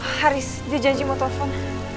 haris dia janji mau telepon